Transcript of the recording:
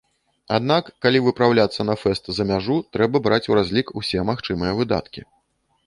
Аднак, калі выпраўляцца на фэст за мяжу, трэба браць у разлік усе магчымыя выдаткі.